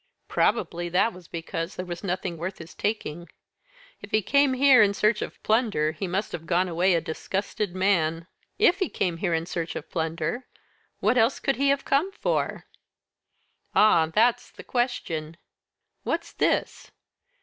"Probably that was because there was nothing worth his taking. If he came here in search of plunder, he must have gone away a disgusted man." "If he came here in search of plunder? what else could he have come for?" "Ah! that's the question." "What's this?"